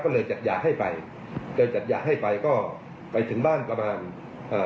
ก็เลยจัดหย่าให้ไปโดยจัดหย่าให้ไปก็ไปถึงบ้านประมาณเอ่อ